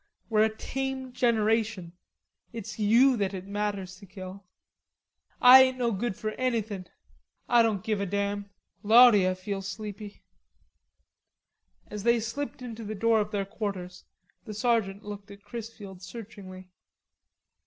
We're a tame generation.... It's you that it matters to kill." "Ah ain't no good for anythin'.... Ah doan give a damn.... Lawsee, Ah feel sleepy." As they slipped in the door of their quarters, the sergeant looked at Chrisfield searchingly.